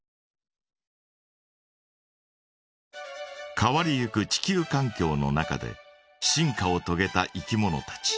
変わりゆく地球かん境の中で進化をとげたいきものたち。